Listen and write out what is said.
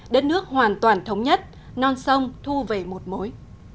đất nước hoàn toàn thống nhất non sông thu về một mối